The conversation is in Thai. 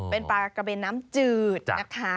เป็นปลากระเบนน้ำจืดนะคะ